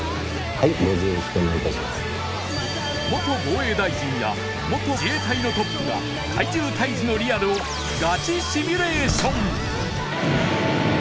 いや元防衛大臣や元自衛隊のトップが怪獣退治のリアルをガチシミュレーション！